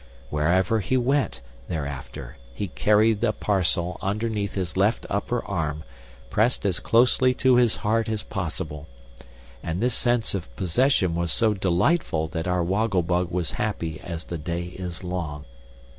Wherever he went, thereafter, he carried the parcel underneath his left upper arm, pressed as closely to his heart as possible. And this sense of possession was so delightful that our Woggle Bug was happy as the day is long.